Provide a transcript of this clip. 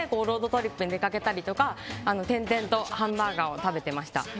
トリップに出かけたりとか転々とハンバーガーを食べていました。